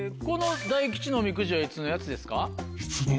この大吉のおみくじはいつのやつですか？